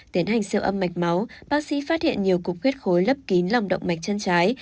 tiến hành siêu âm mạch máu bác sĩ phát hiện nhiều cục huyết khối lấp kín lòng động mạch chân trái